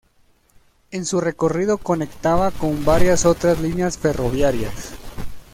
En su recorrido conectaba con varias otras líneas ferroviarias.